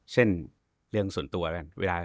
เช่นเรื่องส่วนตัวแบบนั้น